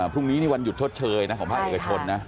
พรุ่งนี้วันหยุดทดเชยของพระเอกชนนะ